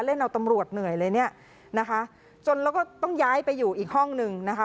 เล่นเอาตำรวจเหนื่อยเลยเนี่ยนะคะจนแล้วก็ต้องย้ายไปอยู่อีกห้องหนึ่งนะคะ